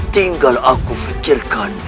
tinggal aku fikirkan